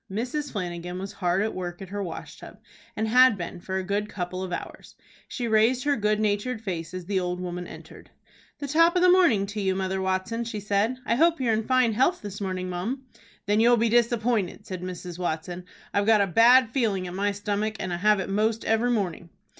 Mrs. Flanagan was hard at work at her wash tub, and had been for a good couple of hours. She raised her good natured face as the old woman entered. "The top of the morning to you, Mother Watson," she said. "I hope you're in fine health this morning, mum." "Then you'll be disappointed," said Mrs. Watson. "I've got a bad feeling at my stomach, and have it most every morning."